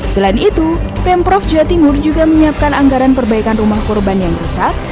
selain itu pemprov jawa timur juga menyiapkan anggaran perbaikan rumah korban yang rusak